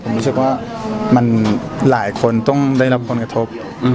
ผมรู้สึกว่ามันหลายคนต้องได้รับผลกระทบ